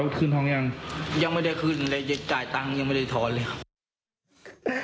ขึ้นห้องยังยังไม่ได้ขึ้นเลยยังจ่ายตังค์ยังไม่ได้ถอนเลยครับ